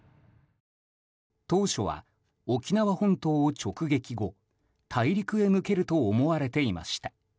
当初は、沖縄本島を直撃後大陸へ抜けると思われていました。